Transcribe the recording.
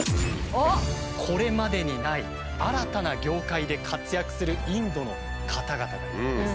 これまでにない新たな業界で活躍するインドの方々がいるんです。